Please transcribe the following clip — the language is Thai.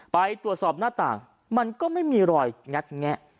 ไปตรวจสอบหน้าต่างมันก็ไม่มีรอยงัดแงะ